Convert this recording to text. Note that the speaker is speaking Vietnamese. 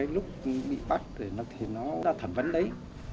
lúc bị bắt thì nó đã thẩm vấn đấy